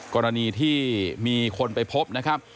กรณีที่มีคนไปพบนะครับ